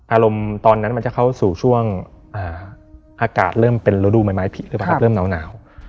อารมณ์ตอนนั้นมันจะเข้าสู่ช่วงอากาศเริ่มเป็นรวดดูไม้ผิดเริ่มหนาว